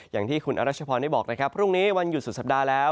อย่างที่คุณอรัชพรได้บอกนะครับพรุ่งนี้วันหยุดสุดสัปดาห์แล้ว